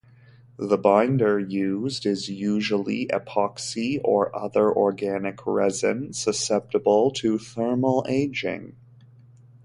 The binder used is usually epoxy or other organic resin, susceptible to thermal aging.